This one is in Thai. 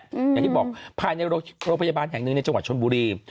อย่างที่บอกภายในโรงพยาบาลแห่งหนึ่งในจังหวัดชนบุรี